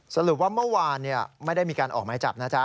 สรุปว่าเมื่อวานไม่ได้มีการออกหมายจับนะจ๊ะ